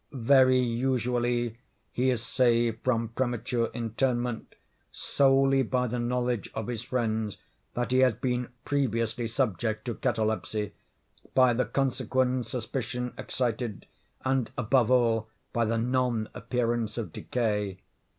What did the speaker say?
Very usually he is saved from premature interment solely by the knowledge of his friends that he has been previously subject to catalepsy, by the consequent suspicion excited, and, above all, by the non appearance of decay.